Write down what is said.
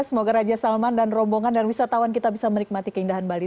semoga raja salman dan rombongan dan wisatawan kita bisa menikmati keindahan bali